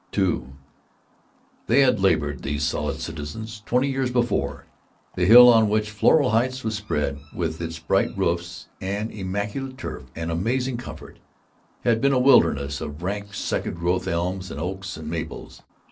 II They had labored, these solid citizens. Twenty years before, the hill on which Floral Heights was spread, with its bright roofs and immaculate turf and amazing comfort, had been a wilderness of rank second growth elms and oaks and maples.